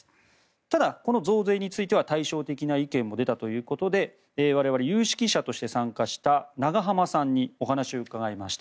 ただこの増税については対照的な意見も出たということで我々、有識者として参加した永濱さんにお話を伺いました。